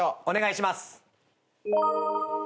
お願いします。